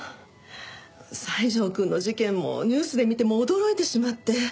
西條くんの事件もニュースで見てもう驚いてしまって。